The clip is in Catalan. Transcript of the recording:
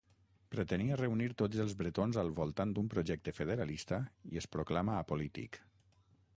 Pretenia reunir tots els bretons al voltant d'un projecte federalista i es proclama apolític.